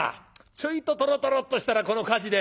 ちょいととろとろっとしたらこの火事で」。